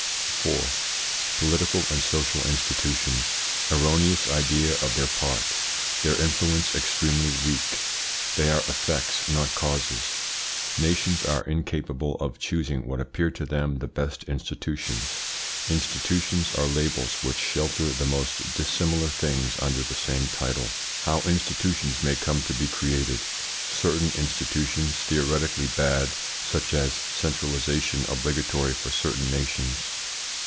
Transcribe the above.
4. POLITICAL AND SOCIAL INSTITUTIONS. Erroneous idea of their part Their influence extremely weak They are effects, not causes Nations are incapable of choosing what appear to them the best institutions Institutions are labels which shelter the most dissimilar things under the same title How institutions may come to be created Certain institutions theoretically bad, such as centralisation obligatory for certain nations.